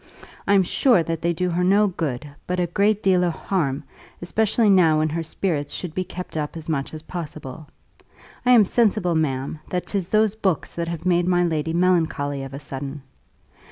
I'm sure that they do her no good, but a great deal of harm, especially now when her spirits should be kept up as much as possible. I am sensible, ma'am, that 'tis those books that have made my lady melancholy of a sudden.